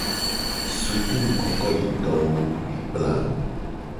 Sukulukokoyitowo mi kpla nu.